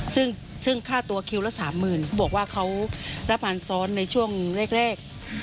ซึ่งซึ่งค่าตัวคิวละสามหมื่นบอกว่าเขารับภัณฑ์ซ้อนในช่วงแรกแรก